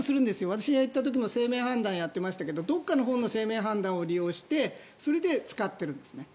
私がいた時も姓名判断をやっていましたけどどこかの姓名判断を利用して使っているんですね。